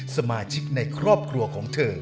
สมาชิกในครอบครัวของเธอ